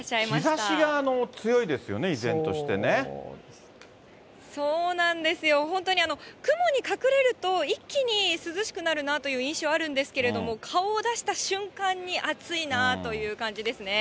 日ざしが強いですよね、そうなんですよ、本当に雲に隠れると一気に涼しくなるなという印象あるんですけれども、顔を出した瞬間に暑いなという感じですね。